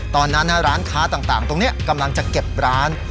ตอนนั้นร้านค้าต่างตรงนี้กำลังจะเก็บร้าน